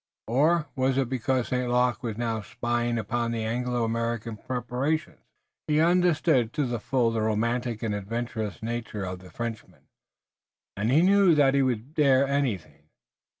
Or was it because St. Luc was now spying upon the Anglo American preparations? He understood to the full the romantic and adventurous nature of the Frenchman, and knew that he would dare anything.